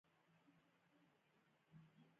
په افغانستان کې د پامیر په نوم لوړې سیمې شتون لري.